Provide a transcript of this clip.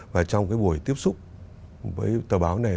và trong cái buổi tiếp xúc với tờ báo này